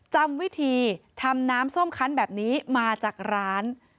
จำวิธีทำน้ำส้มคันแบบนี้มาจากร้าน